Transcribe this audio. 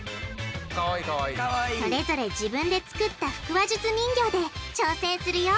それぞれ自分で作った腹話術人形で挑戦するよ！